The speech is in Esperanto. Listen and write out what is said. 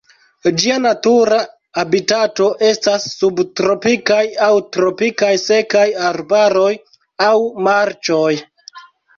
Ĝia natura habitato estas subtropikaj aŭ tropikaj sekaj arbaroj aŭ marĉoj.